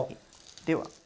では。